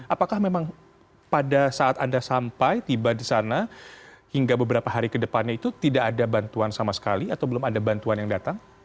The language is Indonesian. apakah memang pada saat anda sampai tiba di sana hingga beberapa hari ke depannya itu tidak ada bantuan sama sekali atau belum ada bantuan yang datang